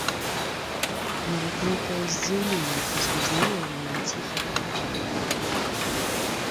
Нават нейкае здзіўленне праслізнула ў яе ціхіх вачах.